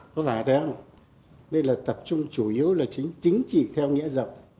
có phải thế không đây là tập trung chủ yếu là chính trị theo nghĩa dọc